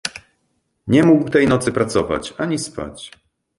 "Nie mógł tej nocy pracować ani spać."